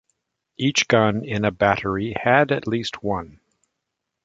Each gun in a battery had at least one.